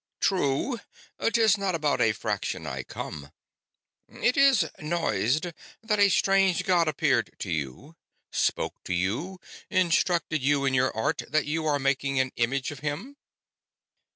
"True. 'Tis not about a fraction I come. It is noised that a strange god appeared to you, spoke to you, instructed you in your art; that you are making an image of him."